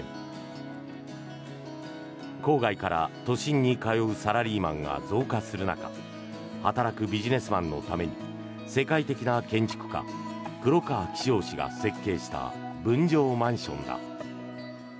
郊外から都心に通うサラリーマンが増加する中働くビジネスマンのために世界的な建築家の黒川紀章氏が設計した分譲マンションだ。